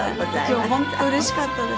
今日は本当うれしかったです。